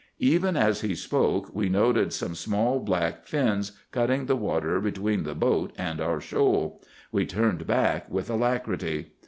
"Even as he spoke we noted some small black fins cutting the water between the boat and our shoal. We turned back with alacrity.